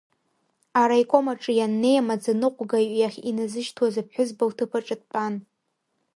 Араиком аҿы ианнеи амаӡаныҟәгаҩ иахь иназышьҭуаз аԥҳәызба лҭыԥ аҿы дтәан.